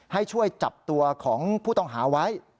ไปจับได้แล้วสิ